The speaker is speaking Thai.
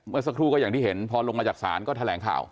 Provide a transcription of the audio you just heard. เมื่อสักครู่ก็อย่างที่เห็นพอลงมาจากศาลก็แถลงข่าว